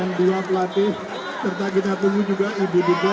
ini adalah keluarga